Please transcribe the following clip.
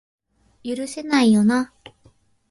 許せないよな